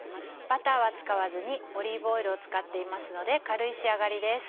バターは使わずにオリーブオイルを使っていますので軽い仕上がりです。